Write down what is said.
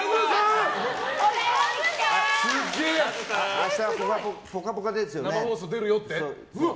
明日「ぽかぽか」ですよねって。